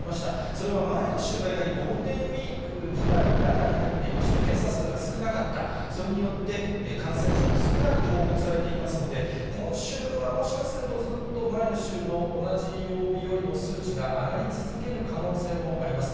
それは前の週がやはり、ゴールデンウィーク自体の中に入っていまして、検査数が少なかった、それによって、感染者も少なく報告されていますので、今週はもしかすると、ずっと前の週の同じ曜日よりも数値が上がり続ける可能性もあります。